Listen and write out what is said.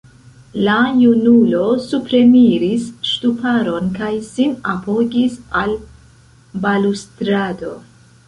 La junulo supreniris ŝtuparon, kaj sin apogis al balustrado.